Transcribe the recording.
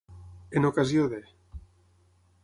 En ocasió de.